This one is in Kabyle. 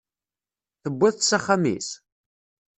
Tewwiḍ-tt s axxam-is?